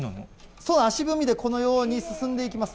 そう、足踏みでこのように進んでいきます。